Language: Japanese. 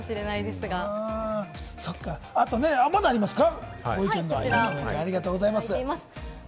まだありますか？